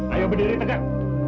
ayo berdiri tegak